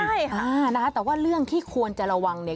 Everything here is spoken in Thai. ใช่ค่ะนะคะแต่ว่าเรื่องที่ควรจะระวังเนี่ย